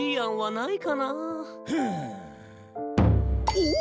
おっ！